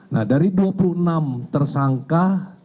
nah dari dua puluh enam tersangka